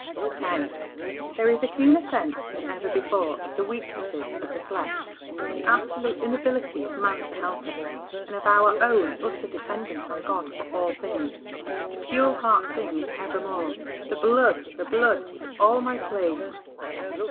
X. There is a keener sense than ever before of the weakness of the flesh, the absolute inability of man to help us, and of our own utter dependence on God for all things. The pure heart sings evermore, " The Blood, the Blood, is all my plea."